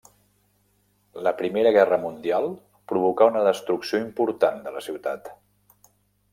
La Primera Guerra Mundial provocà una destrucció important de la ciutat.